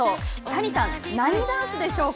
谷さん、何ダンスでしょう。